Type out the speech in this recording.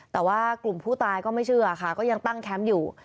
แต่ว่ากลุ่มผู้ตายก็ไม่เชื่อค่ะก็ยังตั้งแคมป์อยู่